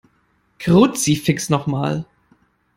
Kruzifix noch mal!